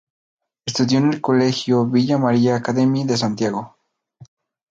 Estudió en el Colegio Villa María Academy de Santiago.